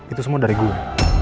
itu semua dari gue